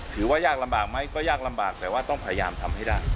ถือว่ายากลำบากไหมก็ยากลำบากแต่ว่าต้องพยายามทำให้ได้